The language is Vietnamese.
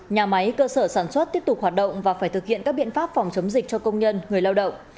nhà máy cơ sở sản xuất tiếp tục hoạt động và phải thực hiện các biện pháp phòng chống dịch cho công nhân người lao động